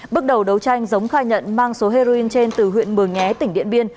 bước đầu đấu tranh giống khai nhận mang số heroin trên từ huyện mường nhé tỉnh điện biên